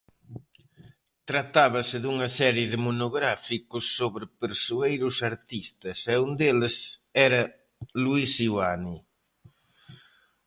Tratábase dunha serie de monográficos sobre persoeiros artistas e un deles era Luís Seoane.